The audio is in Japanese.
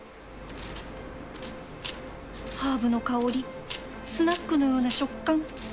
ハーブの香りスナックのような食感